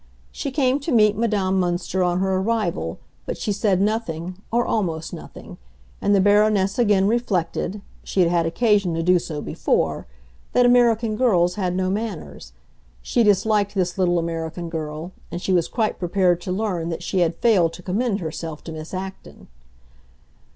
She came to meet Madame Münster on her arrival, but she said nothing, or almost nothing, and the Baroness again reflected—she had had occasion to do so before—that American girls had no manners. She disliked this little American girl, and she was quite prepared to learn that she had failed to commend herself to Miss Acton.